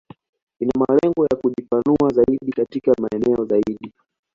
Ina malengo ya kujipanua zaidi katika maeneo zaidi